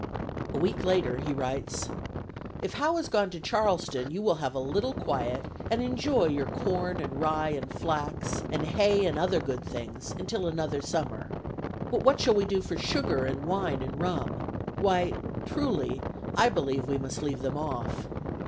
A week later he writes: "If Howe is gone to Charleston, you will have a little quiet, and enjoy your corn, and rye, and flax, and hay and other good things, until another summer. But what shall we do for sugar and wine and rum? Why truly, I believe we must leave them off.